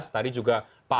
tadi juga pak